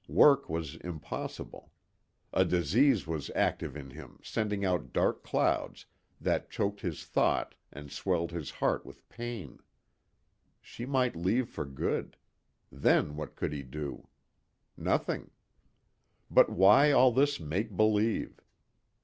Work was impossible. A disease was active in him sending out dark clouds that choked his thought and swelled his heart with pain. She might leave for good. Then what could he do? Nothing. But why all this make believe?